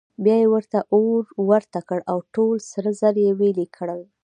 بیا یې ورته اور ورته کړ او ټول سره زر یې ویلې کړل.